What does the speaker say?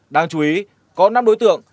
đáng chú ý có năm đối tượng